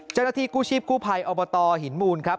เจ้าหน้าที่กู้ชีพกู้ภัยอบตหินมูลครับ